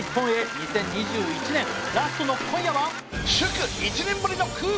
２０２１年ラストの今夜は？